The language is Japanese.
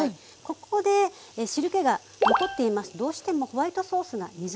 ここで汁けが残っていますとどうしてもホワイトソースが水っぽくなります。